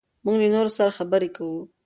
موږ له نورو سره خبرې کوو.